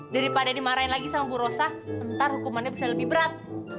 daripada dimarahin lagi sama bu rosa ntar hukumannya bisa lebih berat